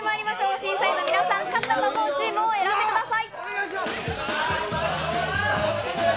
審査員の皆さん、勝ったと思うチームを選んでください。